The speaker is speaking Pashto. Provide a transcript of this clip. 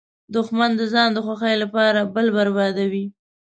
دښمن د ځان د خوښۍ لپاره بل بربادوي